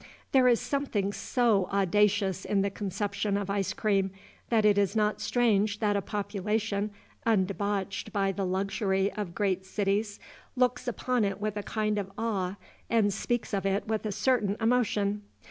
There is something so audacious in the conception of ice cream, that it is not strange that a population undebauched by the luxury of great cities looks upon it with a kind of awe and speaks of it with a certain emotion.